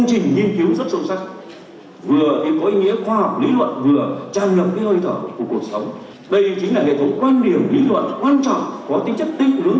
đây chính là hệ thống quan điểm lý luận quan trọng có tính chất tinh hướng chỉ đạo rõ ràng